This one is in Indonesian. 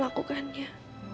aku harap melakukannya